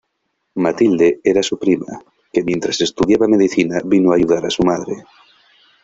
Mathilde era su prima, que mientras estudiaba medicina vino a ayudar a su madre.